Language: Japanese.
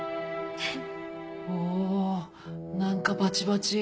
えっ？